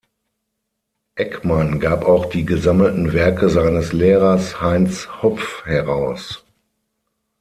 Eckmann gab auch die gesammelten Werke seines Lehrers Heinz Hopf heraus.